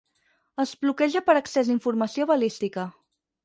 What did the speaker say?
Es bloqueja per excés d'informació balística.